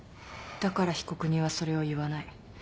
だから被告人はそれを言わない。